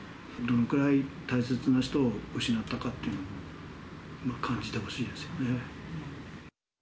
どのくらい大切な人を失ったかっていうのを感じてほしいですよね。